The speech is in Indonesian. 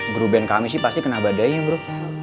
grup band kami sih pasti kena badainya bro